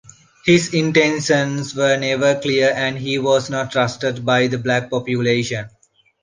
His intentions were never clear and he was not trusted by the black population.